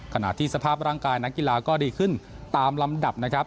ขณะที่สภาพร่างกายนักกีฬาก็ดีขึ้นตามลำดับนะครับ